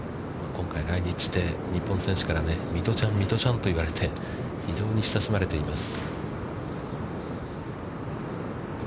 今回来日して、日本選手からミトちゃん、ミトちゃんと言われて、非常に親しまれています。